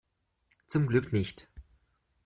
Zum Glück nicht.